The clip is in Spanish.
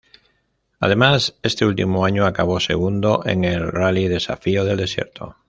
Además este último año acabó segundo en el Rally Desafío del Desierto.